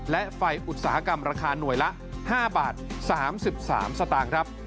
และไฟอุตสาหกรรมราคาหน่วยละ๕บาท๓๓สตางค์ครับ